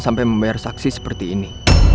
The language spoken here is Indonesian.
sampai membayar saksi seperti ini